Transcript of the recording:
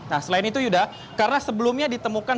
nah selain itu yuda karena sebelumnya ditemukan